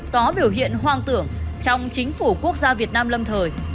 có biểu hiện hoang tưởng trong chính phủ quốc gia việt nam lâm thời